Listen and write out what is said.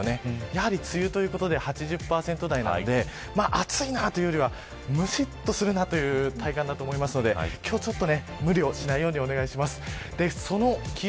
やはり梅雨ということで８０％台なので暑いなというよりはむしっとするなという体感だと思いますので今日はちょっと無理をしないようにお願いします。